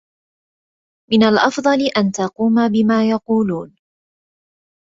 من الأفضل أن تقوم بما يقولون.